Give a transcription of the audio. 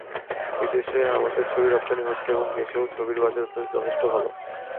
বিদেশে আমাদের ছবি রপ্তানি হচ্ছে এবং দেশেও ছবির বাজার যথেষ্ট ভালো।